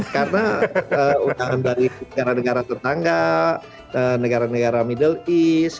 karena undangan dari negara negara tetangga negara negara middle east